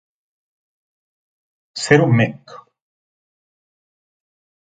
Ser un mec.